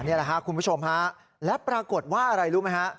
นี่แหละครับคุณผู้ชมฮะและปรากฏว่าอะไรรู้ไหมฮะ